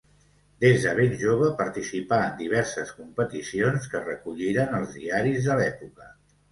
Des de ben jove participà en diverses competicions que recolliren els diaris de l'època.